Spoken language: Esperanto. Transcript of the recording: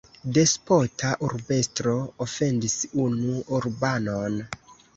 Despota urbestro ofendis unu urbanon.